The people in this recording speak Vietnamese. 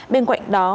bên ngoạnh đó